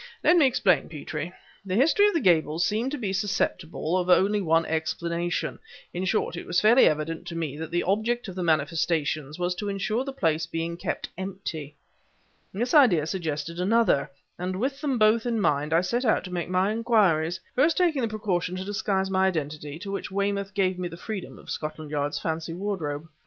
"Let me explain, Petrie. The history of the Gables seemed to be susceptible of only one explanation; in short it was fairly evident to me that the object of the manifestations was to insure the place being kept empty. This idea suggested another, and with them both in mind, I set out to make my inquiries, first taking the precaution to disguise my identity, to which end Weymouth gave me the freedom of Scotland Yard's fancy wardrobe.